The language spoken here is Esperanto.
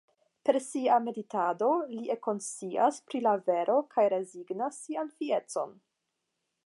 Per sia meditado li ekkonscias pri la vero kaj rezignas sian fiecon.